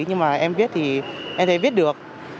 nhưng mà em viết thì em thấy viết được